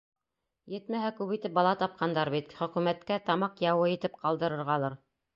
Етмәһә, күп итеп бала тапҡандар бит — хөкүмәткә тамаҡ яуы итеп ҡалдырырғалыр...